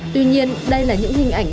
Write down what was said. tuy nhiên đây là những hình ảnh